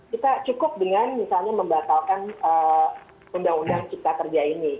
kita cukup dengan misalnya membatalkan undang undang lain